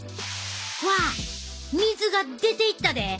わあ水が出ていったで！